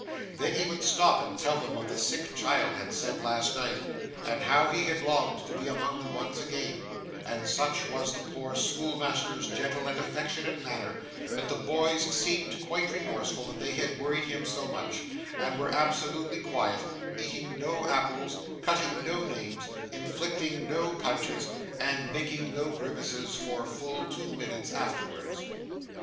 Then he would stop and tell them what the sick child had said last night, and how he had longed to be among them once again; and such was the poor schoolmaster's gentle and affectionate manner, that the boys seemed quite remorseful that they had worried him so much, and were absolutely quiet; eating no apples, cutting no names, inflicting no pinches, and making no grimaces, for full two minutes afterwards.